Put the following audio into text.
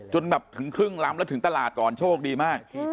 แบบถึงครึ่งลำแล้วถึงตลาดก่อนโชคดีมาก